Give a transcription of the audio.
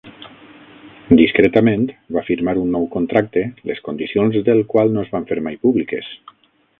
Discretament va firmar un nou contracte, les condicions del qual no es van fer mai públiques.